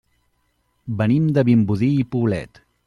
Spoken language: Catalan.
Venim de Vimbodí i Poblet.